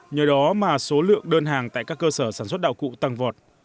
nhờ đó mà số lượng đơn hàng tại các cơ sở sản xuất đạo cụ tăng vọt